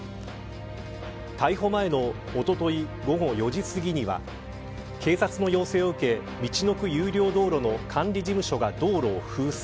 逮捕前のおととい午後４時すぎには警察の要請を受けみちのく有料道路の管理事務所が道路を封鎖。